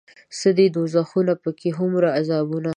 څه دي دوزخونه پکې هومره عذابونه